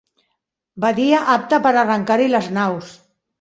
Badia apta per arrecerar-hi les naus.